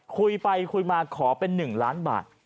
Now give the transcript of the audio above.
คุยไปคุยมาขอเป็น๑ล้านบาท